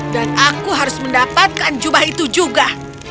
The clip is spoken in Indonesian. dan aku harus mendapatkan jubah itu juga